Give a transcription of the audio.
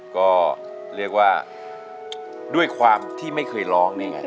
ก็เรียกว่าด้วยความที่ไม่เคยร้องนี่ไง